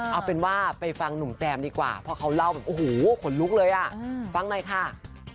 เอาเป็นว่าไปฟังหนุ่มแจมดีกว่าเพราะเขาเล่าแบบโอ้โหขนลุกเลยอ่ะฟังหน่อยค่ะ